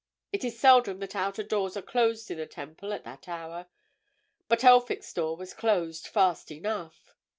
It is seldom that outer doors are closed in the Temple at that hour, but Elphick's door was closed fast enough.